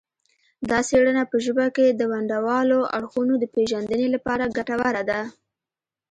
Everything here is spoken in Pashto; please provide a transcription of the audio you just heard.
دا څیړنه په ژبه کې د ونډوالو اړخونو د پیژندنې لپاره ګټوره ده